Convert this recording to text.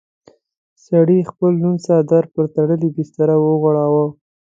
سړي خپل لوند څادر پر تړلې بستره وغوړاوه.